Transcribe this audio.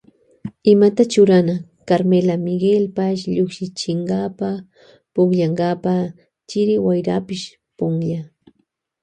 Imata churana Carmela Miguelpash llukshinkapa pukllankapa chiri wayrapash punlla.